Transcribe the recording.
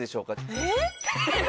えっ？